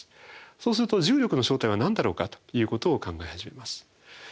そうすると重力の正体は何だろうかということを考え始めます。